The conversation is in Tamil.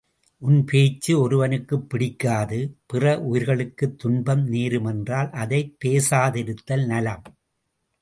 உன் பேச்சு ஒருவனுக்குப் பிடிக்காது பிற உயிர்களுக்குத் துன்பம் நேரும் என்றால் அதைப் பேசாதிருத்தல் நலம்.